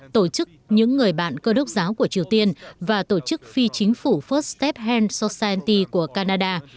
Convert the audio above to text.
tổ chức những người bạn cơ đốc giáo của triều tiên và tổ chức phi chính phủ first step hand society của canada